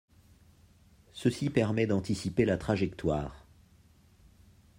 Ceci permet d'anticiper la trajectoire.